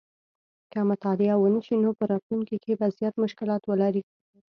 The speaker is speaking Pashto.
که مطالعه ونه شي نو په راتلونکي کې به زیات مشکلات ولري